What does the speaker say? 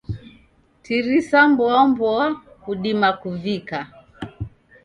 Tirisa mboamboa, kudima kuvika.